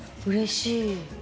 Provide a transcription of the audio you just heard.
うれしい。